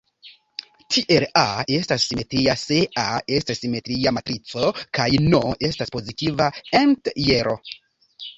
Tiel "A" estas simetria se "A" estas simetria matrico kaj "n" estas pozitiva entjero.